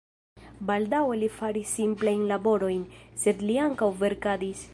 Baldaŭe li faris simplajn laborojn, sed li ankaŭ verkadis.